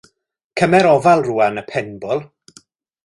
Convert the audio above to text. Cymer ofal, rwan, y penbwl!